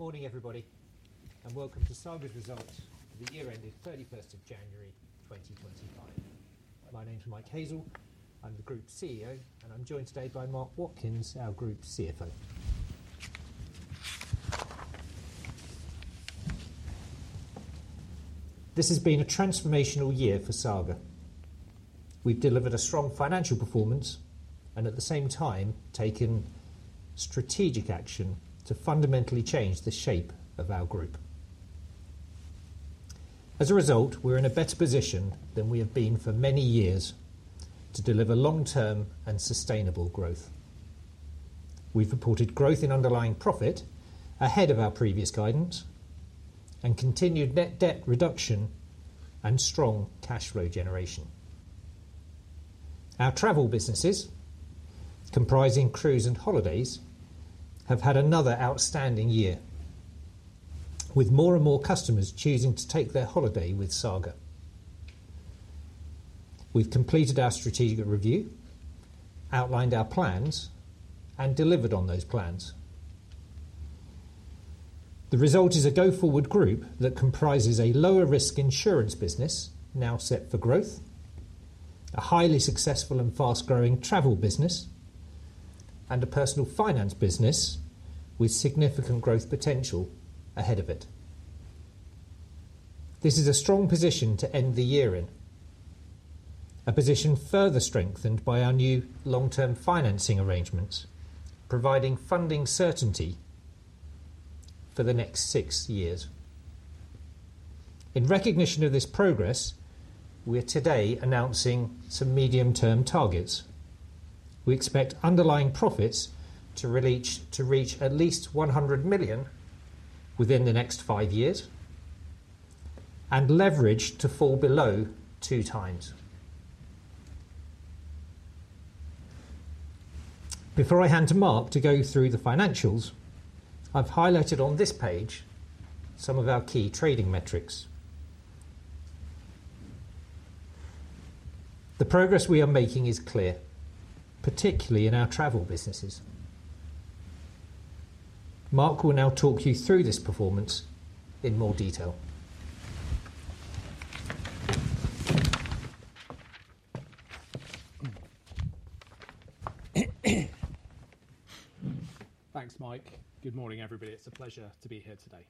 Morning, everybody, and welcome to Saga's Results for the year ending 31st of January 2025. My name's Mike Hazell. I'm the Group CEO, and I'm joined today by Mark Watkins, our Group CFO. This has been a transformational year for Saga. We've delivered a strong financial performance and, at the same time, taken strategic action to fundamentally change the shape of our group. As a result, we're in a better position than we have been for many years to deliver long-term and sustainable growth. We've reported growth in underlying profit ahead of our previous guidance and continued net debt reduction and strong cash flow generation. Our travel businesses, comprising cruise and holidays, have had another outstanding year, with more and more customers choosing to take their holiday with Saga. We've completed our strategic review, outlined our plans, and delivered on those plans. The result is a go-forward group that comprises a lower-risk insurance business now set for growth, a highly successful and fast-growing travel business, and a personal finance business with significant growth potential ahead of it. This is a strong position to end the year in, a position further strengthened by our new long-term financing arrangements, providing funding certainty for the next six years. In recognition of this progress, we are today announcing some medium-term targets. We expect underlying profits to reach at least 100 million within the next five years and leverage to fall below two times. Before I hand to Mark to go through the financials, I've highlighted on this page some of our key trading metrics. The progress we are making is clear, particularly in our travel businesses. Mark will now talk you through this performance in more detail. Thanks, Mike. Good morning, everybody. It's a pleasure to be here today.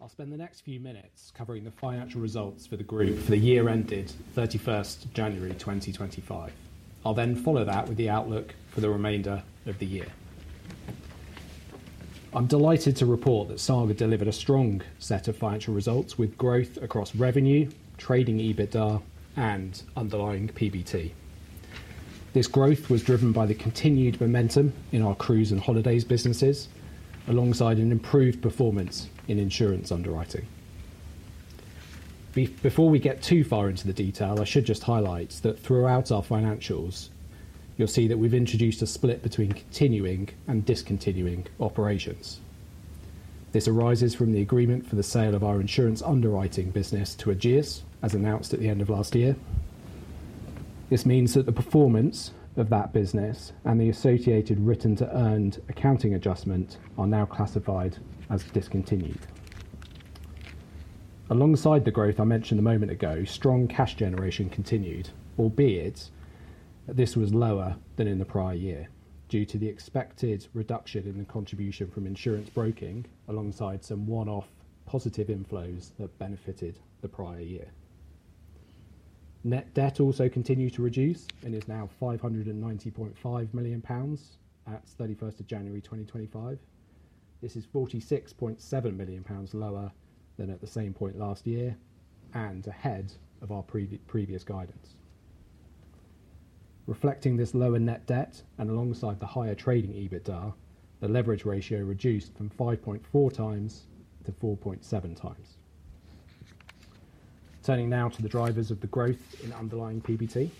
I'll spend the next few minutes covering the financial results for the group for the year ending 31st of January 2025. I'll then follow that with the outlook for the remainder of the year. I'm delighted to report that Saga delivered a strong set of financial results with growth across revenue, trading EBITDA, and underlying PBT. This growth was driven by the continued momentum in our cruise and holidays businesses, alongside an improved performance in insurance underwriting. Before we get too far into the detail, I should just highlight that throughout our financials, you'll see that we've introduced a split between continuing and discontinuing operations. This arises from the agreement for the sale of our insurance underwriting business to Ageas, as announced at the end of last year. This means that the performance of that business and the associated written-to-earned accounting adjustment are now classified as discontinued. Alongside the growth I mentioned a moment ago, strong cash generation continued, albeit this was lower than in the prior year due to the expected reduction in the contribution from insurance broking, alongside some one-off positive inflows that benefited the prior year. Net debt also continued to reduce and is now 590.5 million pounds at 31st of January 2025. This is 46.7 million pounds lower than at the same point last year and ahead of our previous guidance. Reflecting this lower net debt and alongside the higher trading EBITDA, the leverage ratio reduced from 5.4x to 4.7x. Turning now to the drivers of the growth in underlying PBT,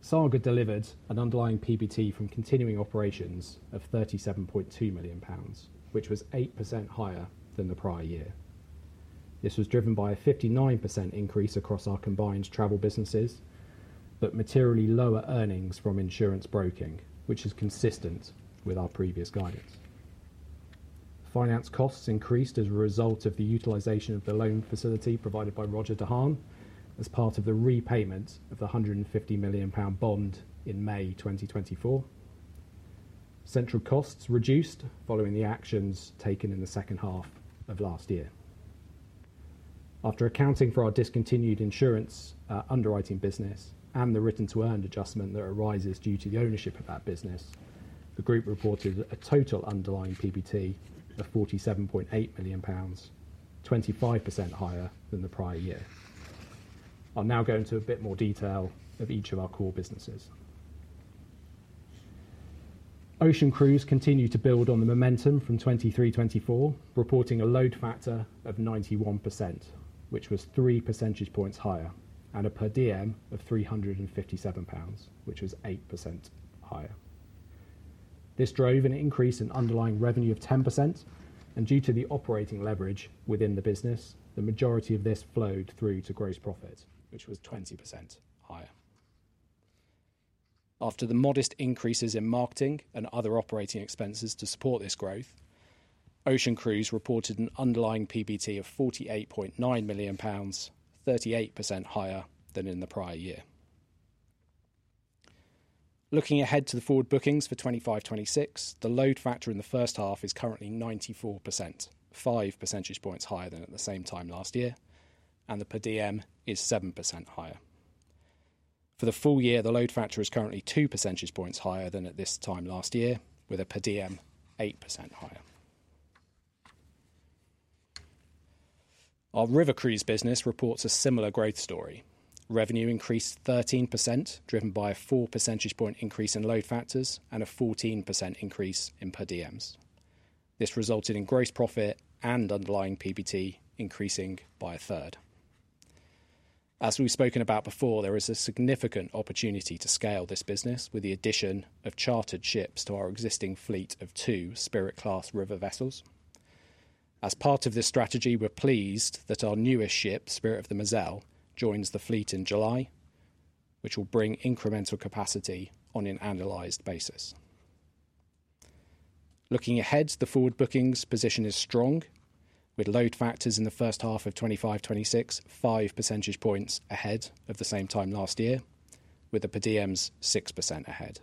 Saga delivered an underlying PBT from continuing operations of 37.2 million pounds, which was 8% higher than the prior year. This was driven by a 59% increase across our combined travel businesses, but materially lower earnings from insurance broking, which is consistent with our previous guidance. Finance costs increased as a result of the utilization of the loan facility provided by Roger De Haan as part of the repayment of the 150 million pound bond in May 2024. Central costs reduced following the actions taken in the second half of last year. After accounting for our discontinued insurance underwriting business and the written-to-earned adjustment that arises due to the ownership of that business, the group reported a total underlying PBT of 47.8 million pounds, 25% higher than the prior year. I'll now go into a bit more detail of each of our core businesses. Ocean Cruise continued to build on the momentum from 2023/2024, reporting a load factor of 91%, which was 3 percentage points higher, and a per diem of 357 pounds, which was 8% higher. This drove an increase in underlying revenue of 10%, and due to the operating leverage within the business, the majority of this flowed through to gross profit, which was 20% higher. After the modest increases in marketing and other operating expenses to support this growth, Ocean Cruise reported an underlying PBT of 48.9 million pounds, 38% higher than in the prior year. Looking ahead to the forward bookings for 2025/2026, the load factor in the first half is currently 94%, 5 percentage points higher than at the same time last year, and the per diem is 7% higher. For the full year, the load factor is currently 2 percentage points higher than at this time last year, with a per diem 8% higher. Our River Cruise business reports a similar growth story. Revenue increased 13%, driven by a 4 percentage point increase in load factors and a 14% increase in per diems. This resulted in gross profit and underlying PBT increasing by a third. As we've spoken about before, there is a significant opportunity to scale this business with the addition of chartered ships to our existing fleet of two Spirit-class river vessels. As part of this strategy, we're pleased that our newest ship, Spirit of the Moselle, joins the fleet in July, which will bring incremental capacity on an annualized basis. Looking ahead, the forward bookings position is strong, with load factors in the first half of 2025/2026, 5 percentage points ahead of the same time last year, with the per diems 6% ahead.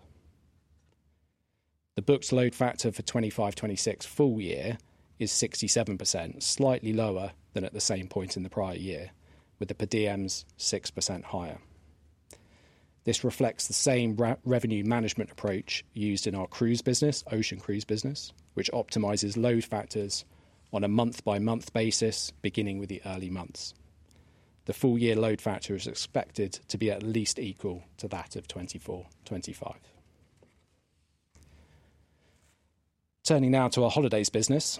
The booked load factor for 2025/2026 full year is 67%, slightly lower than at the same point in the prior year, with the per diems 6% higher. This reflects the same revenue management approach used in our cruise business, Ocean Cruise business, which optimizes load factors on a month-by-month basis, beginning with the early months. The full-year load factor is expected to be at least equal to that of 2024/2025. Turning now to our holidays business,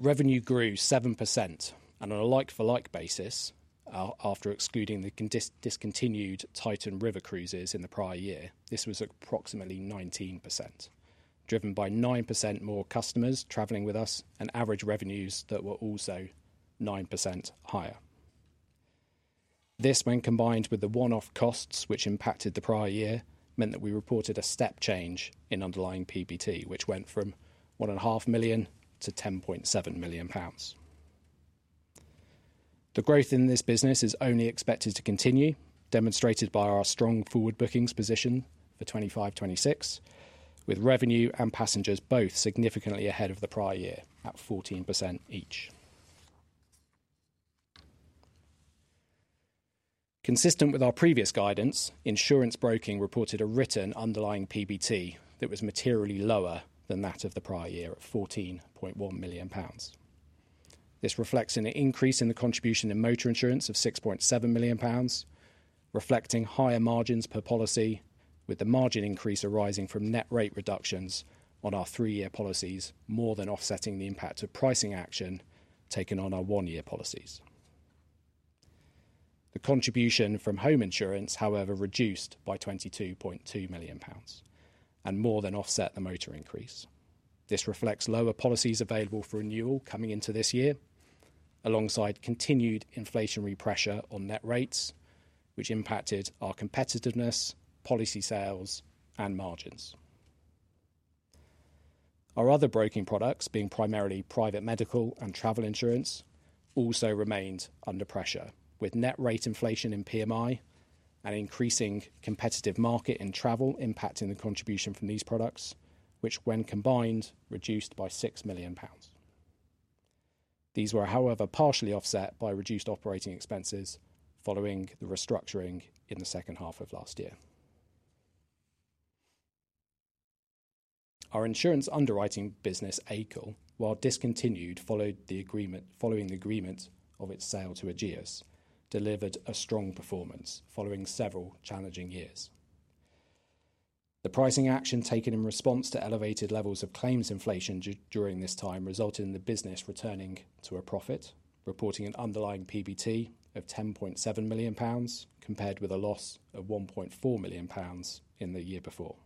revenue grew 7% and on a like-for-like basis after excluding the discontinued Titan River Cruises in the prior year. This was approximately 19%, driven by 9% more customers traveling with us and average revenues that were also 9% higher. This, when combined with the one-off costs which impacted the prior year, meant that we reported a step change in underlying PBT, which went from 1.5 million to 10.7 million pounds. The growth in this business is only expected to continue, demonstrated by our strong forward bookings position for 2025/2026, with revenue and passengers both significantly ahead of the prior year at 14% each. Consistent with our previous guidance, insurance broking reported a written underlying PBT that was materially lower than that of the prior year at GBP 14.1 million. This reflects an increase in the contribution in motor insurance of 6.7 million pounds, reflecting higher margins per policy, with the margin increase arising from net rate reductions on our three-year policies more than offsetting the impact of pricing action taken on our one-year policies. The contribution from home insurance, however, reduced by 22.2 million pounds and more than offset the motor increase. This reflects lower policies available for renewal coming into this year, alongside continued inflationary pressure on net rates, which impacted our competitiveness, policy sales, and margins. Our other broking products, being primarily private medical and travel insurance, also remained under pressure, with net rate inflation in PMI and increasing competitive market in travel impacting the contribution from these products, which when combined reduced by 6 million pounds. These were, however, partially offset by reduced operating expenses following the restructuring in the second half of last year. Our insurance underwriting business, AICL, while discontinued following the agreement of its sale to Ageas, delivered a strong performance following several challenging years. The pricing action taken in response to elevated levels of claims inflation during this time resulted in the business returning to a profit, reporting an underlying PBT of 10.7 million pounds compared with a loss of 1.4 million pounds in the year before.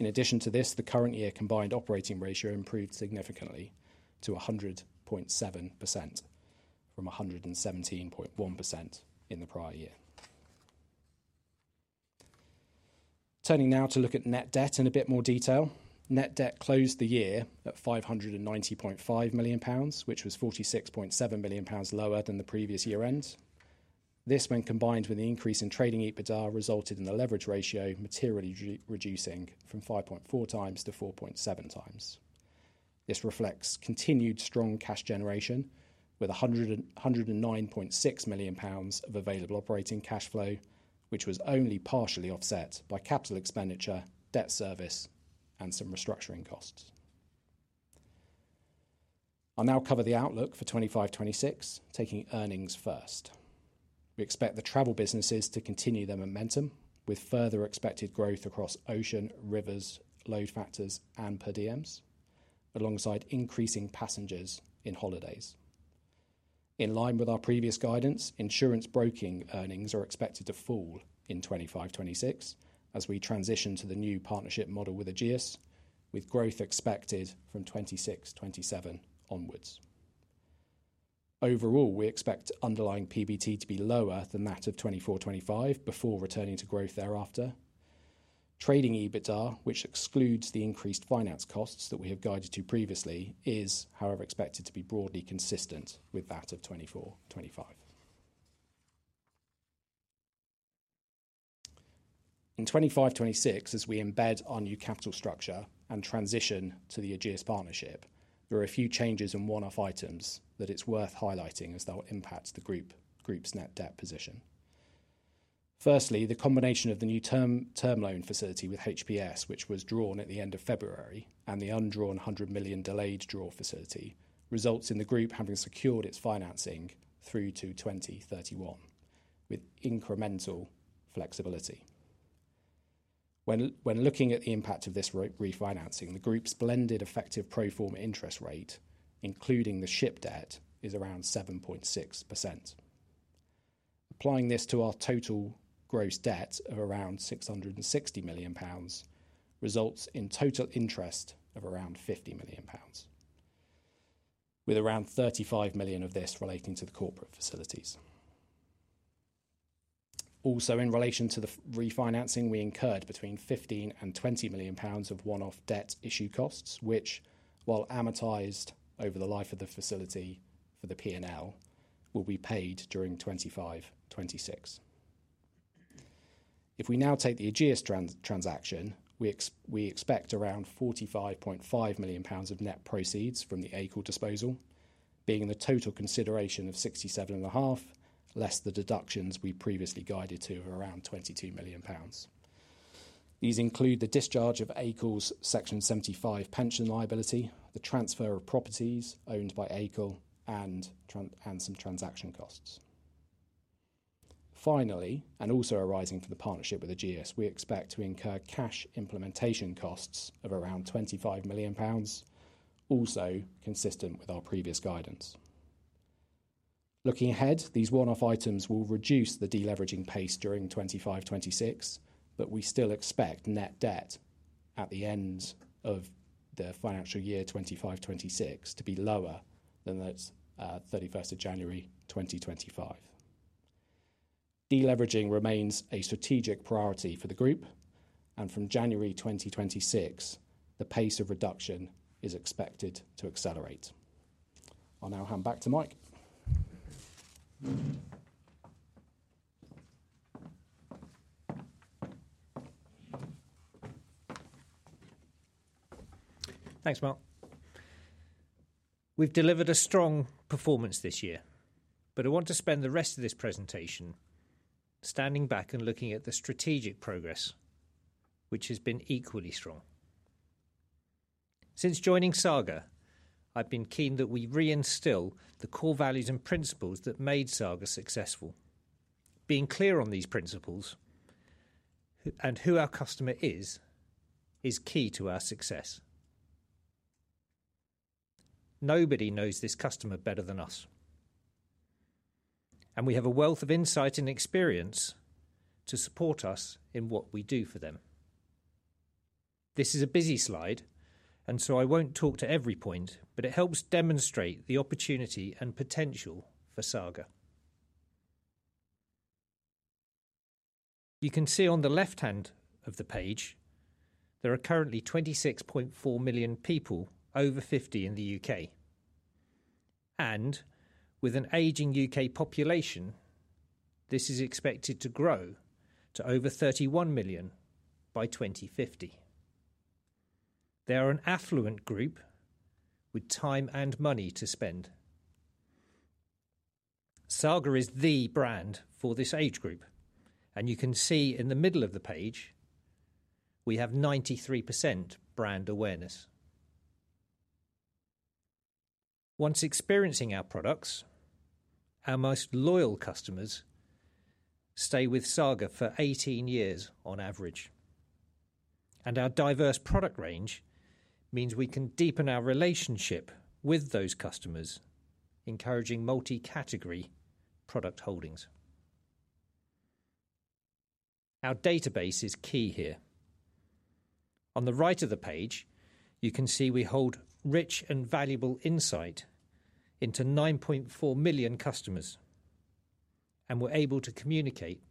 In addition to this, the current year combined operating ratio improved significantly to 100.7% from 117.1% in the prior year. Turning now to look at net debt in a bit more detail, net debt closed the year at 590.5 million pounds, which was 46.7 million pounds lower than the previous year-end. This, when combined with the increase in trading EBITDA, resulted in the leverage ratio materially reducing from 5.4x to 4.7x. This reflects continued strong cash generation with 109.6 million pounds of available operating cash flow, which was only partially offset by capital expenditure, debt service, and some restructuring costs. I'll now cover the outlook for 2025/2026, taking earnings first. We expect the travel businesses to continue their momentum, with further expected growth across ocean, rivers, load factors, and per diems, alongside increasing passengers in holidays. In line with our previous guidance, insurance broking earnings are expected to fall in 2025/2026 as we transition to the new partnership model with Ageas, with growth expected from 2026/2027 onwards. Overall, we expect underlying PBT to be lower than that of 2024/2025 before returning to growth thereafter. Trading EBITDA, which excludes the increased finance costs that we have guided to previously, is, however, expected to be broadly consistent with that of 2024/2025. In 2025/2026, as we embed our new capital structure and transition to the Ageas partnership, there are a few changes in one-off items that it's worth highlighting as they'll impact the group's net debt position. Firstly, the combination of the new term loan facility with HPS, which was drawn at the end of February, and the undrawn 100 million delayed draw facility results in the group having secured its financing through to 2031 with incremental flexibility. When looking at the impact of this refinancing, the group's blended effective pro forma interest rate, including the ship debt, is around 7.6%. Applying this to our total gross debt of around 660 million pounds results in total interest of around 50 million pounds, with around 35 million of this relating to the corporate facilities. Also, in relation to the refinancing, we incurred between 15 million-20 million pounds of one-off debt issue costs, which, while amortized over the life of the facility for the P&L, will be paid during 2025/2026. If we now take the Ageas transaction, we expect around 45.5 million pounds of net proceeds from the AICL disposal, being in the total consideration of 67.5 million less the deductions we previously guided to of around 22 million pounds. These include the discharge of AICL's Section 75 pension liability, the transfer of properties owned by AICL, and some transaction costs. Finally, and also arising from the partnership with Ageas, we expect to incur cash implementation costs of around 25 million pounds, also consistent with our previous guidance. Looking ahead, these one-off items will reduce the deleveraging pace during 2025/2026, but we still expect net debt at the end of the financial year 2025/2026 to be lower than that of 31st of January 2025. Deleveraging remains a strategic priority for the group, and from January 2026, the pace of reduction is expected to accelerate. I'll now hand back to Mike. Thanks, Mark. We've delivered a strong performance this year, but I want to spend the rest of this presentation standing back and looking at the strategic progress, which has been equally strong. Since joining Saga, I've been keen that we reinstill the core values and principles that made Saga successful. Being clear on these principles and who our customer is is key to our success. Nobody knows this customer better than us, and we have a wealth of insight and experience to support us in what we do for them. This is a busy slide, and I won't talk to every point, but it helps demonstrate the opportunity and potential for Saga. You can see on the left hand of the page, there are currently 26.4 million people over 50 in the U.K., and with an aging U.K. population, this is expected to grow to over 31 million by 2050. They are an affluent group with time and money to spend. Saga is the brand for this age group, and you can see in the middle of the page, we have 93% brand awareness. Once experiencing our products, our most loyal customers stay with Saga for 18 years on average, and our diverse product range means we can deepen our relationship with those customers, encouraging multi-category product holdings. Our database is key here. On the right of the page, you can see we hold rich and valuable insight into 9.4 million customers, and we're able to communicate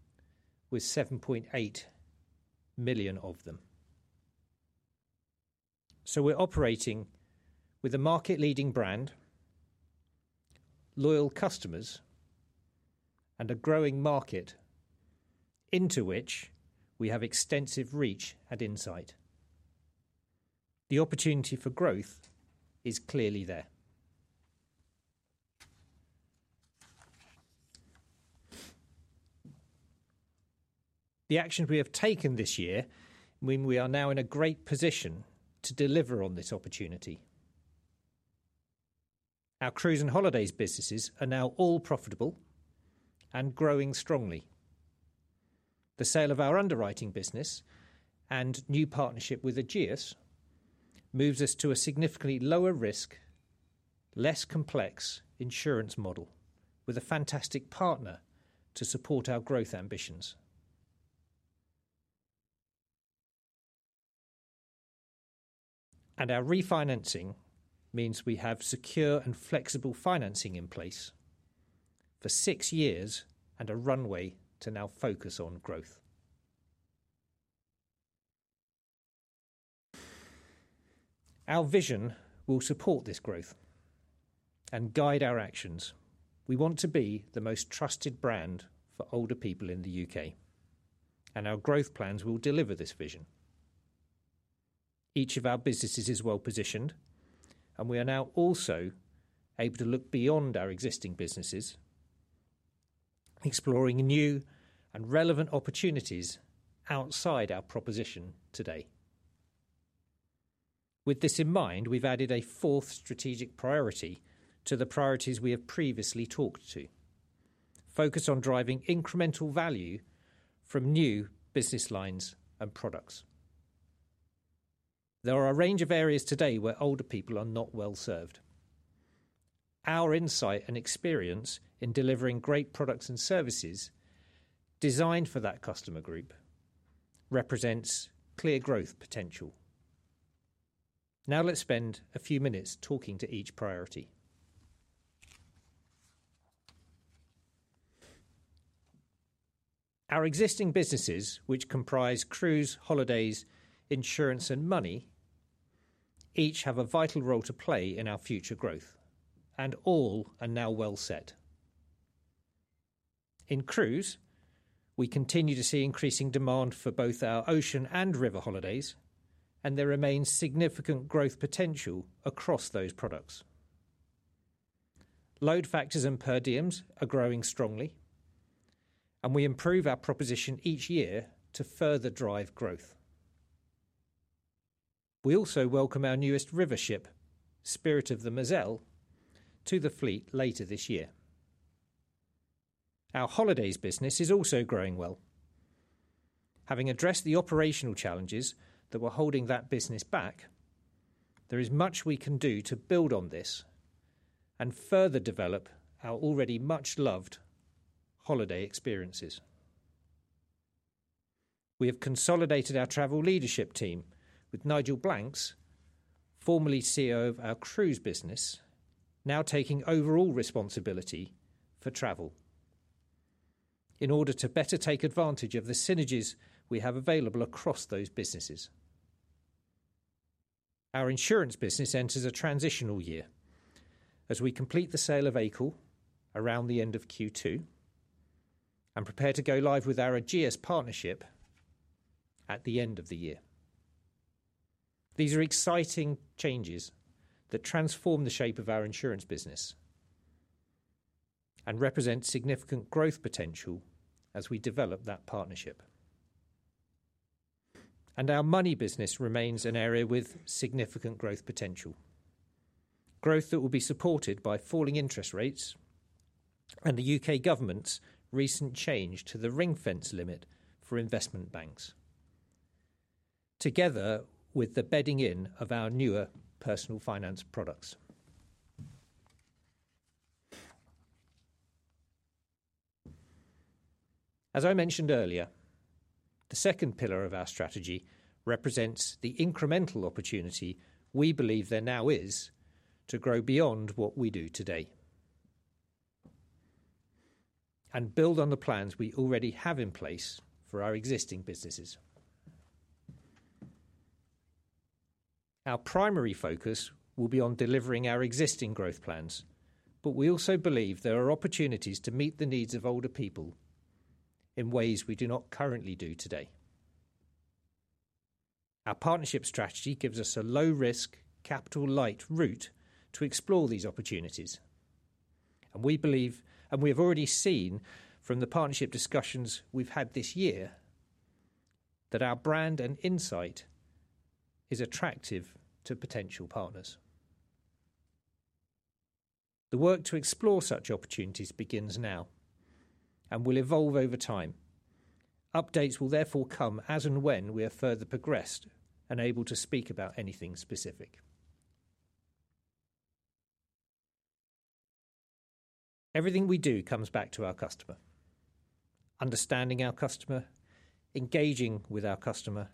with 7.8 million of them. We are operating with a market-leading brand, loyal customers, and a growing market into which we have extensive reach and insight. The opportunity for growth is clearly there. The actions we have taken this year mean we are now in a great position to deliver on this opportunity. Our cruise and holidays businesses are now all profitable and growing strongly. The sale of our underwriting business and new partnership with Ageas moves us to a significantly lower risk, less complex insurance model with a fantastic partner to support our growth ambitions. Our refinancing means we have secure and flexible financing in place for six years and a runway to now focus on growth. Our vision will support this growth and guide our actions. We want to be the most trusted brand for older people in the U.K., and our growth plans will deliver this vision. Each of our businesses is well positioned, and we are now also able to look beyond our existing businesses, exploring new and relevant opportunities outside our proposition today. With this in mind, we've added a fourth strategic priority to the priorities we have previously talked to: focus on driving incremental value from new business lines and products. There are a range of areas today where older people are not well served. Our insight and experience in delivering great products and services designed for that customer group represents clear growth potential. Now let's spend a few minutes talking to each priority. Our existing businesses, which comprise cruise, holidays, insurance, and money, each have a vital role to play in our future growth, and all are now well set. In cruise, we continue to see increasing demand for both our ocean and river holidays, and there remains significant growth potential across those products. Load factors and per diems are growing strongly, and we improve our proposition each year to further drive growth. We also welcome our newest river ship, Spirit of the Moselle, to the fleet later this year. Our holidays business is also growing well. Having addressed the operational challenges that were holding that business back, there is much we can do to build on this and further develop our already much-loved holiday experiences. We have consolidated our travel leadership team with Nigel Blanks, formerly CEO of our cruise business, now taking overall responsibility for travel in order to better take advantage of the synergies we have available across those businesses. Our insurance business enters a transitional year as we complete the sale of AICL around the end of Q2 and prepare to go live with our Ageas partnership at the end of the year. These are exciting changes that transform the shape of our insurance business and represent significant growth potential as we develop that partnership. Our money business remains an area with significant growth potential, growth that will be supported by falling interest rates and the U.K. government's recent change to the ring fence limit for investment banks, together with the bedding in of our newer personal finance products. As I mentioned earlier, the second pillar of our strategy represents the incremental opportunity we believe there now is to grow beyond what we do today and build on the plans we already have in place for our existing businesses. Our primary focus will be on delivering our existing growth plans, but we also believe there are opportunities to meet the needs of older people in ways we do not currently do today. Our partnership strategy gives us a low-risk, capital-light route to explore these opportunities, and we believe, and we have already seen from the partnership discussions we have had this year, that our brand and insight is attractive to potential partners. The work to explore such opportunities begins now and will evolve over time. Updates will therefore come as and when we have further progressed and are able to speak about anything specific. Everything we do comes back to our customer: understanding our customer, engaging with our customer, and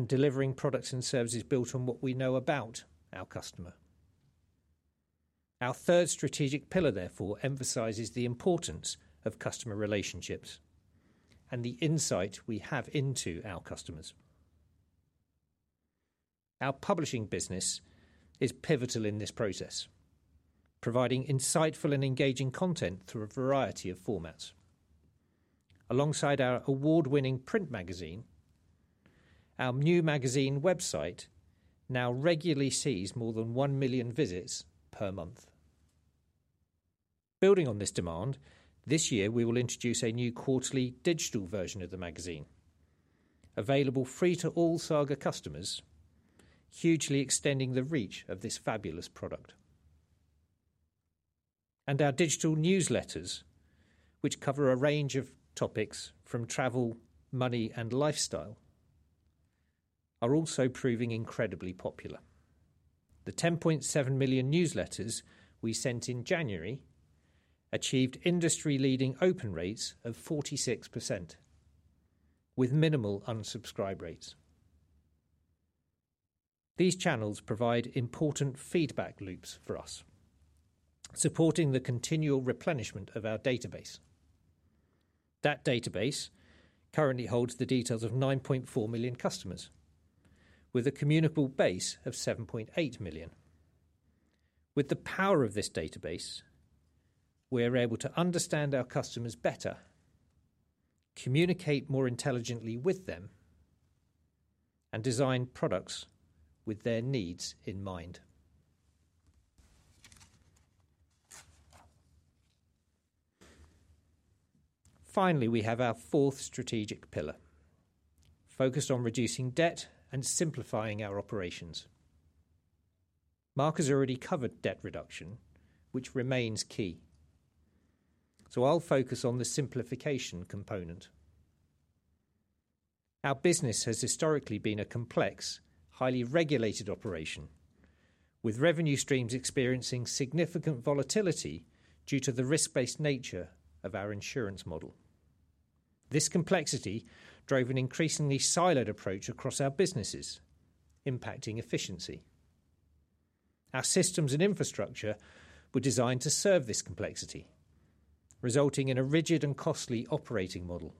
delivering products and services built on what we know about our customer. Our third strategic pillar, therefore, emphasizes the importance of customer relationships and the insight we have into our customers. Our publishing business is pivotal in this process, providing insightful and engaging content through a variety of formats. Alongside our award-winning print magazine, our new magazine website now regularly sees more than 1 million visits per month. Building on this demand, this year we will introduce a new quarterly digital version of the magazine, available free to all Saga customers, hugely extending the reach of this fabulous product. Our digital newsletters, which cover a range of topics from travel, money, and lifestyle, are also proving incredibly popular. The 10.7 million newsletters we sent in January achieved industry-leading open rates of 46%, with minimal unsubscribe rates. These channels provide important feedback loops for us, supporting the continual replenishment of our database. That database currently holds the details of 9.4 million customers, with a communicable base of 7.8 million. With the power of this database, we are able to understand our customers better, communicate more intelligently with them, and design products with their needs in mind. Finally, we have our fourth strategic pillar, focused on reducing debt and simplifying our operations. Mark has already covered debt reduction, which remains key, so I'll focus on the simplification component. Our business has historically been a complex, highly regulated operation, with revenue streams experiencing significant volatility due to the risk-based nature of our insurance model. This complexity drove an increasingly siloed approach across our businesses, impacting efficiency. Our systems and infrastructure were designed to serve this complexity, resulting in a rigid and costly operating model.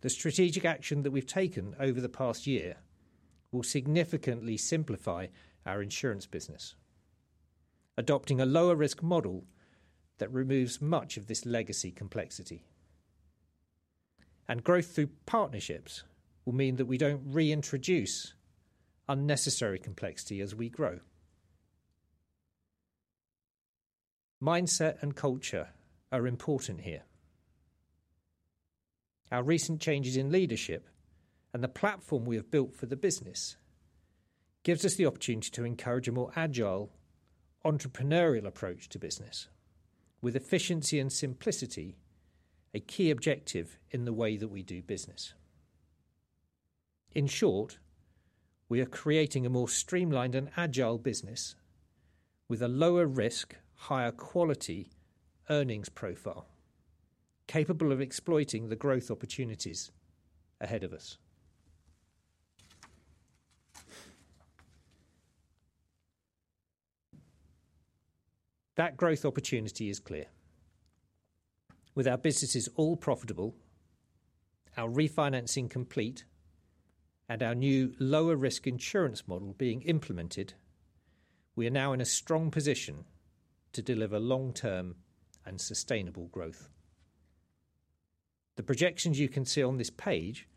The strategic action that we've taken over the past year will significantly simplify our insurance business, adopting a lower-risk model that removes much of this legacy complexity. Growth through partnerships will mean that we don't reintroduce unnecessary complexity as we grow. Mindset and culture are important here. Our recent changes in leadership and the platform we have built for the business give us the opportunity to encourage a more agile, entrepreneurial approach to business, with efficiency and simplicity a key objective in the way that we do business. In short, we are creating a more streamlined and agile business with a lower-risk, higher-quality earnings profile, capable of exploiting the growth opportunities ahead of us. That growth opportunity is clear. With our businesses all profitable, our refinancing complete, and our new lower-risk insurance model being implemented, we are now in a strong position to deliver long-term and sustainable growth. The projections you can see on this page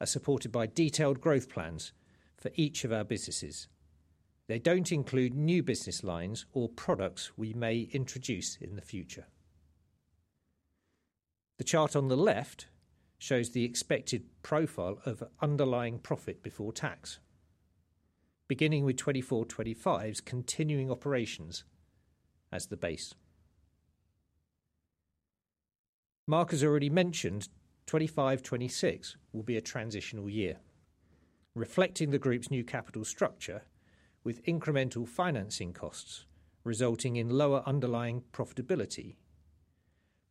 are supported by detailed growth plans for each of our businesses. They do not include new business lines or products we may introduce in the future. The chart on the left shows the expected profile of underlying profit before tax, beginning with 2024/2025's continuing operations as the base. Mark has already mentioned 2025/2026 will be a transitional year, reflecting the group's new capital structure with incremental financing costs resulting in lower underlying profitability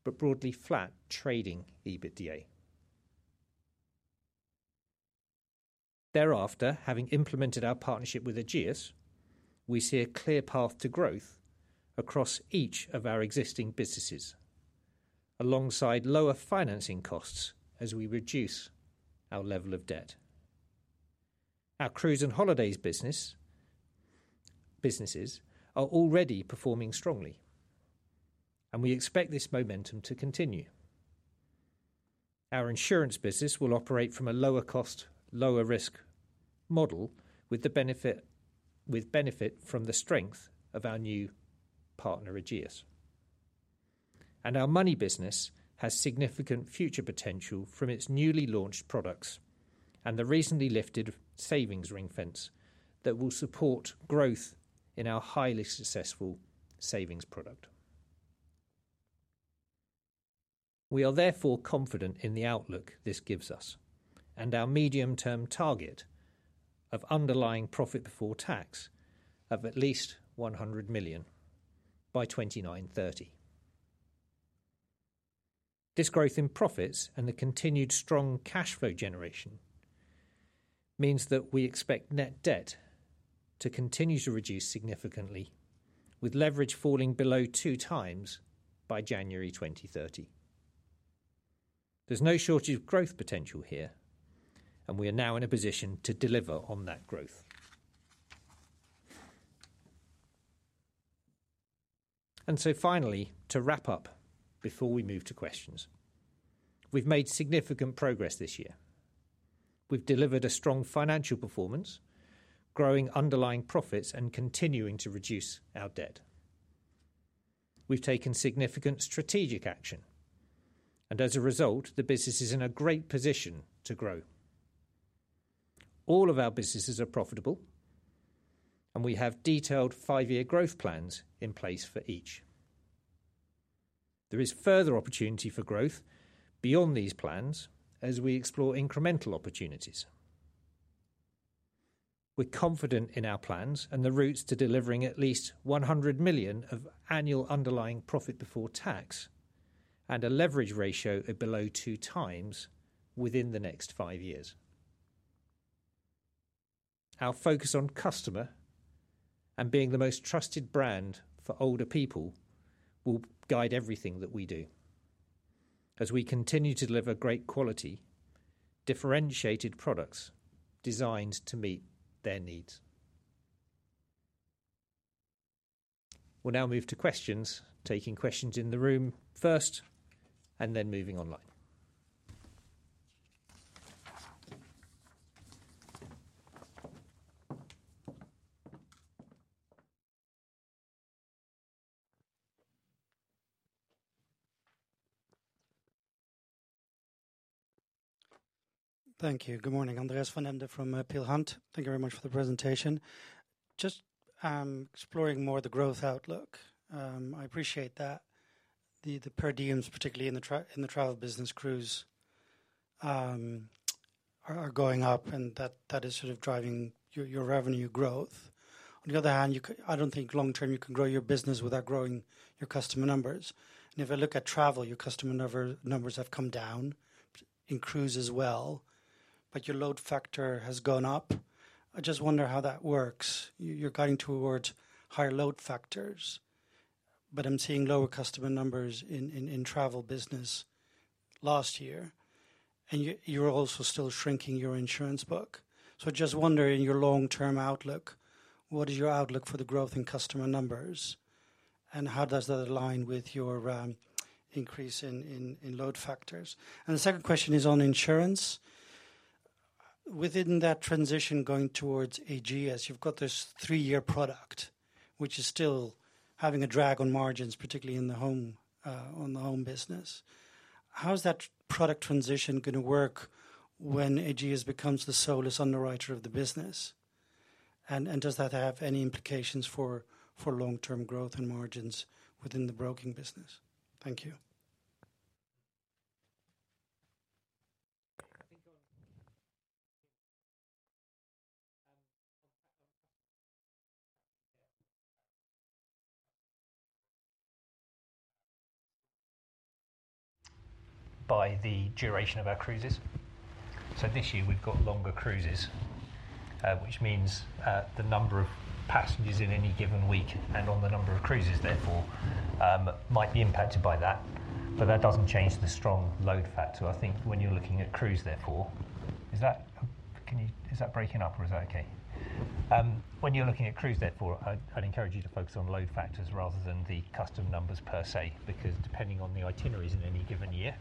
but broadly flat trading EBITDA. Thereafter, having implemented our partnership with Ageas, we see a clear path to growth across each of our existing businesses alongside lower financing costs as we reduce our level of debt. Our cruise and holidays businesses are already performing strongly, and we expect this momentum to continue. Our insurance business will operate from a lower-cost, lower-risk model with benefit from the strength of our new partner, Ageas. Our money business has significant future potential from its newly launched products and the recently lifted savings ring fence that will support growth in our highly successful savings product. We are therefore confident in the outlook this gives us and our medium-term target of underlying profit before tax of at least 100 million by 2029/2030. This growth in profits and the continued strong cash flow generation means that we expect net debt to continue to reduce significantly, with leverage falling below two times by January 2030. There is no shortage of growth potential here, and we are now in a position to deliver on that growth. Finally, to wrap up before we move to questions, we have made significant progress this year. We have delivered a strong financial performance, growing underlying profits and continuing to reduce our debt. We have taken significant strategic action, and as a result, the business is in a great position to grow. All of our businesses are profitable, and we have detailed five-year growth plans in place for each. There is further opportunity for growth beyond these plans as we explore incremental opportunities. We're confident in our plans and the routes to delivering at least 100 million of annual underlying profit before tax and a leverage ratio of below two times within the next five years. Our focus on customer and being the most trusted brand for older people will guide everything that we do as we continue to deliver great quality, differentiated products designed to meet their needs. We'll now move to questions, taking questions in the room first and then moving online. Thank you. Good morning, Andreas van Embden from Peel Hunt. Thank you very much for the presentation. Just exploring more of the growth outlook. I appreciate that the per diems, particularly in the travel business, cruise, are going up, and that is sort of driving your revenue growth. On the other hand, I don't think long-term you can grow your business without growing your customer numbers. If I look at travel, your customer numbers have come down in cruise as well, but your load factor has gone up. I just wonder how that works. You're guiding towards higher load factors, but I'm seeing lower customer numbers in travel business last year, and you're also still shrinking your insurance book. I just wonder, in your long-term outlook, what is your outlook for the growth in customer numbers, and how does that align with your increase in load factors? The second question is on insurance. Within that transition going towards Ageas, you've got this three-year product, which is still having a drag on margins, particularly on the home business. How is that product transition going to work when Ageas becomes the sole underwriter of the business, and does that have any implications for long-term growth and margins within the broking business? Thank you. By the duration of our cruises. This year, we've got longer cruises, which means the number of passengers in any given week and the number of cruises, therefore, might be impacted by that. That does not change the strong load factor. I think when you're looking at cruise, therefore, is that breaking up, or is that okay? When you're looking at cruise, therefore, I'd encourage you to focus on load factors rather than the customer numbers per se, because depending on the itineraries in any given year,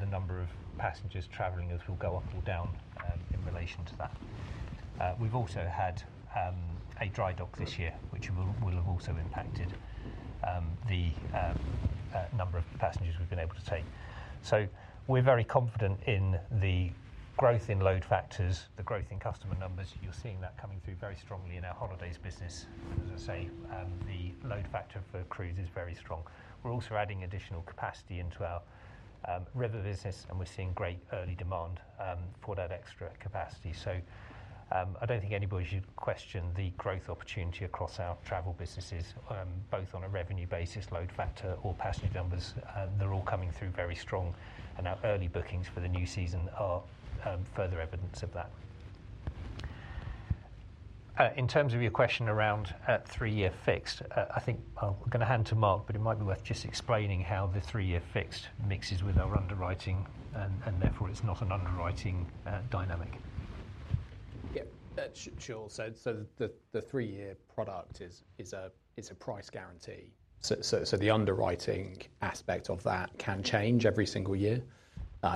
the number of passengers traveling will go up or down in relation to that. We've also had a dry dock this year, which will have also impacted the number of passengers we've been able to take. We are very confident in the growth in load factors, the growth in customer numbers. You're seeing that coming through very strongly in our holidays business. As I say, the load factor for cruise is very strong. We are also adding additional capacity into our river business, and we are seeing great early demand for that extra capacity. I do not think anybody should question the growth opportunity across our travel businesses, both on a revenue basis, load factor, or passenger numbers. They are all coming through very strong, and our early bookings for the new season are further evidence of that. In terms of your question around three-year fixed, I think I'm going to hand to Mark, but it might be worth just explaining how the three-year fixed mixes with our underwriting, and therefore it's not an underwriting dynamic. Yeah, sure. The three-year product is a price guarantee. The underwriting aspect of that can change every single year.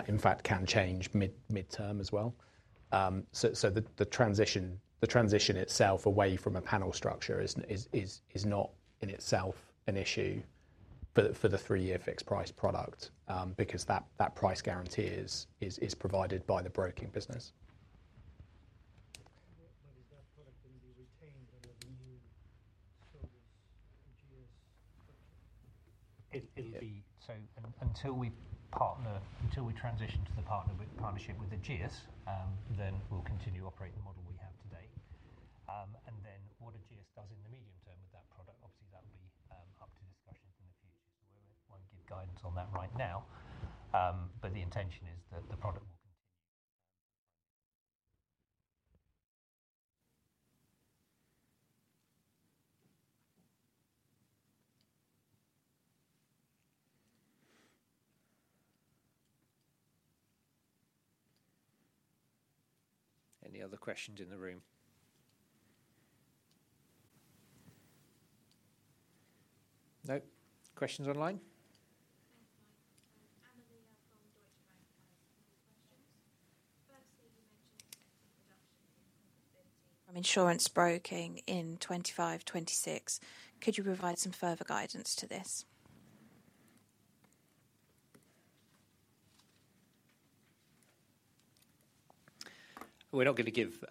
In fact, can change midterm as well. The transition itself away from a panel structure is not in itself an issue for the three-year fixed price product because that price guarantee is provided by the broking business. Is that product going to be retained under the new service Ageas structure? It'll be so until we transition to the partnership with Ageas, then we'll continue operating the model we have today. What Ageas does in the medium term with that product, obviously, that will be up to discussion in the future. We will not give guidance on that right now, but the intention is that the product will continue. Any other questions in the room? No questions online? Thanks, Mike. I'm Amelia from Deutsche Bank. I have a few questions. Firstly, you mentioned expected reduction in profitability from insurance broking in 2025/2026. Could you provide some further guidance to this? We are not going to give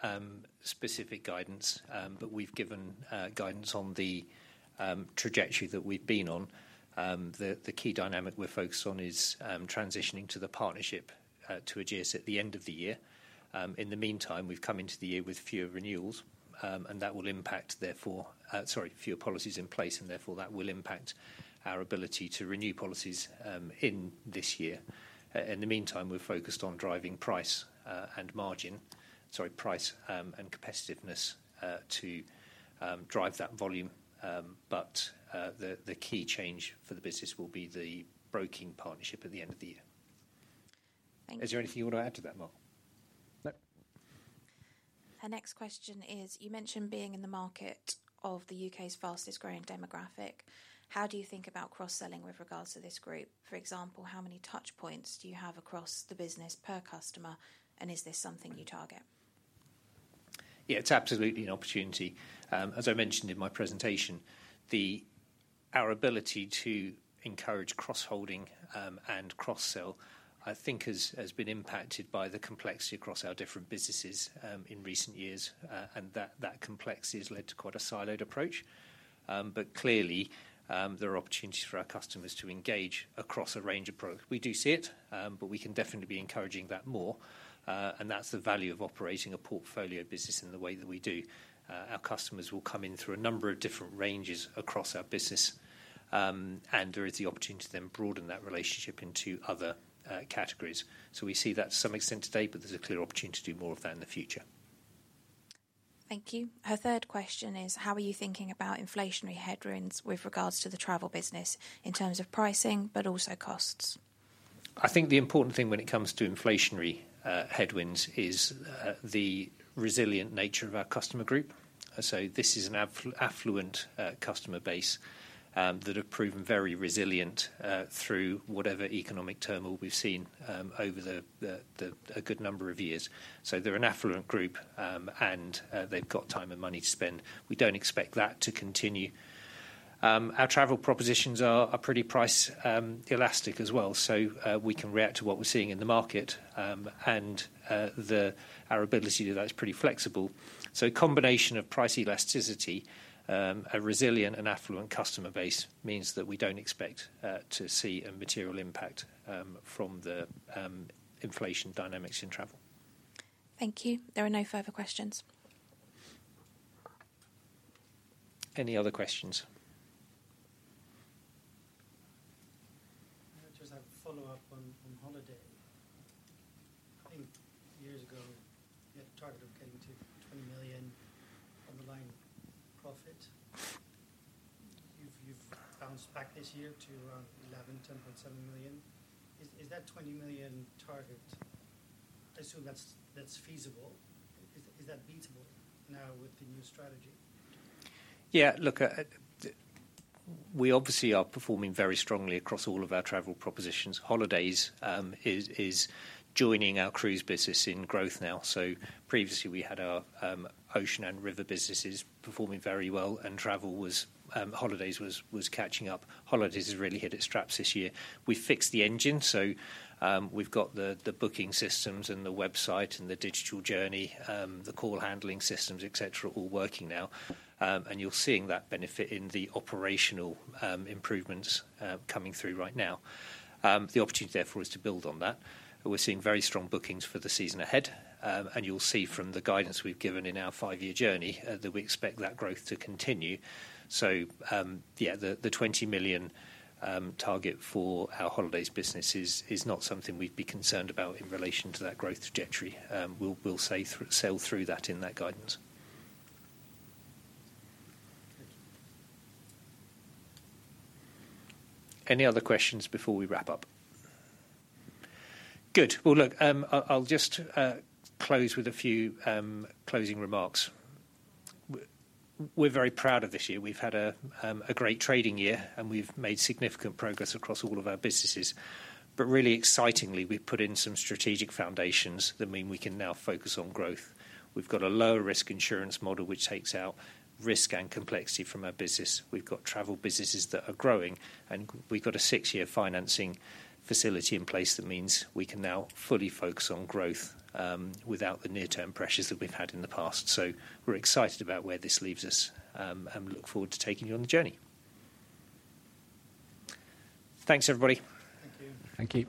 specific guidance, but we have given guidance on the trajectory that we have been on. The key dynamic we are focused on is transitioning to the partnership to Ageas at the end of the year. In the meantime, we've come into the year with fewer renewals, and that will impact, therefore, sorry, fewer policies in place, and therefore that will impact our ability to renew policies in this year. In the meantime, we're focused on driving price and margin, sorry, price and competitiveness to drive that volume, but the key change for the business will be the broking partnership at the end of the year. Thank you. Is there anything you want to add to that, Mark? No. Our next question is, you mentioned being in the market of the U.K.'s fastest-growing demographic. How do you think about cross-selling with regards to this group? For example, how many touchpoints do you have across the business per customer, and is this something you target? Yeah, it's absolutely an opportunity. As I mentioned in my presentation, our ability to encourage cross-holding and cross-sell, I think, has been impacted by the complexity across our different businesses in recent years, and that complexity has led to quite a siloed approach. Clearly, there are opportunities for our customers to engage across a range of products. We do see it, but we can definitely be encouraging that more, and that's the value of operating a portfolio business in the way that we do. Our customers will come in through a number of different ranges across our business, and there is the opportunity to then broaden that relationship into other categories. We see that to some extent today, but there's a clear opportunity to do more of that in the future. Thank you. Our third question is, how are you thinking about inflationary headwinds with regards to the travel business in terms of pricing but also costs? I think the important thing when it comes to inflationary headwinds is the resilient nature of our customer group. This is an affluent customer base that have proven very resilient through whatever economic turmoil we've seen over a good number of years. They're an affluent group, and they've got time and money to spend. We don't expect that to continue. Our travel propositions are pretty price-elastic as well, so we can react to what we're seeing in the market, and our ability to do that is pretty flexible. A combination of price elasticity, a resilient and affluent customer base means that we don't expect to see a material impact from the inflation dynamics in travel. Thank you. There are no further questions. Any other questions? I just have a follow-up on holiday. I think years ago, you had a target of getting to GBP 20 million on the line profit. You've bounced back this year to around 11 million, 10.7 million. Is that 20 million target? I assume that's feasible. Is that beatable now with the new strategy? Yeah, look, we obviously are performing very strongly across all of our travel propositions. Holidays is joining our cruise business in growth now. Previously, we had our ocean and river businesses performing very well, and holidays was catching up. Holidays has really hit its straps this year. We've fixed the engine, so we've got the booking systems and the website and the digital journey, the call handling systems, etc., all working now, and you're seeing that benefit in the operational improvements coming through right now. The opportunity, therefore, is to build on that. We're seeing very strong bookings for the season ahead, and you'll see from the guidance we've given in our five-year journey that we expect that growth to continue. Yeah, the 20 million target for our holidays business is not something we'd be concerned about in relation to that growth trajectory. We'll sail through that in that guidance. Any other questions before we wrap up? Good. I will just close with a few closing remarks. We're very proud of this year. We've had a great trading year, and we've made significant progress across all of our businesses. Really excitingly, we've put in some strategic foundations that mean we can now focus on growth. We've got a lower-risk insurance model which takes out risk and complexity from our business. We've got travel businesses that are growing, and we've got a six-year financing facility in place that means we can now fully focus on growth without the near-term pressures that we've had in the past. We are excited about where this leaves us and look forward to taking you on the journey. Thanks, everybody. Thank you. Thank you.